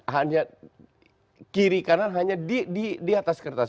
hanya kiri kanan hanya di atas kertas